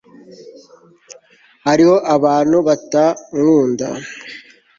Hariho abantu batankunda